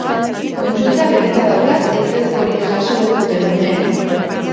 Kontsulta beteta daukat ezezkorik jaso ez duten umeez.